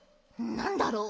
なんだろう？